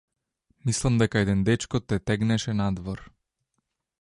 Мислам дека еден дечко те тегнеше надвор.